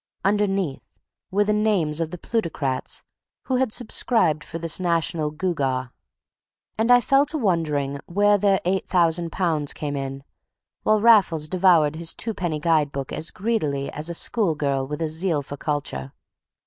Underneath were the names of the plutocrats who had subscribed for this national gewgaw, and I fell to wondering where their £8,000 came in, while Raffles devoured his two penny guide book as greedily as a school girl with a zeal for culture.